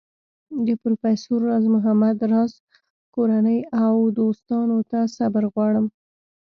د پروفیسر راز محمد راز کورنۍ او دوستانو ته صبر غواړم.